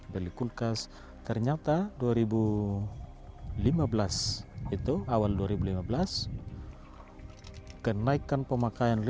beli kulkas ternyata